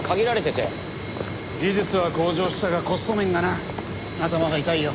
技術は向上したがコスト面がな頭が痛いよ。